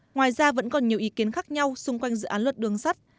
ngoài ra vẫn còn nhiều ý kiến khác nhau xung quanh dự án luật đường sắt